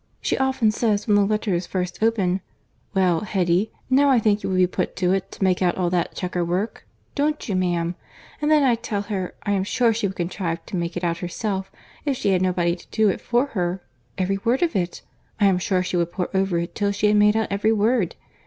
She often says, when the letter is first opened, 'Well, Hetty, now I think you will be put to it to make out all that checker work'—don't you, ma'am?—And then I tell her, I am sure she would contrive to make it out herself, if she had nobody to do it for her—every word of it—I am sure she would pore over it till she had made out every word.